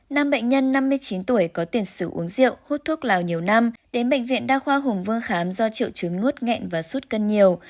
nam bệnh nhân năm mươi chín tuổi có tiền sử uống rượu hút thuốc lào nhiều năm đến bệnh viện đa khoa hùng vương khám do triệu chứng nuốt nghẹn và suốt cân nhiều